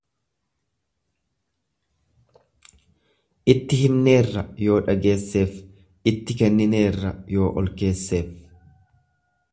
Itti himneerra yoo dhageesseef, itti kennineerra yoo ol-keesseef